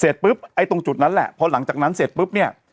ปุ๊บไอ้ตรงจุดนั้นแหละพอหลังจากนั้นเสร็จปุ๊บเนี่ย